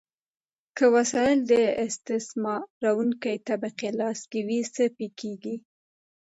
که وسایل د استثمارونکې طبقې په لاس کې وي، څه پیښیږي؟